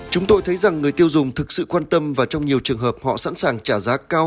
chúng tôi thấy rằng người tiêu dùng thực sự quan tâm và trong nhiều trường hợp họ sẵn sàng trả giá cao